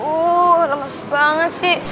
uh lemes banget sih